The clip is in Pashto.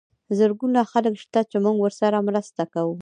زرګونه خلک شته چې موږ ورسره مرسته کوو.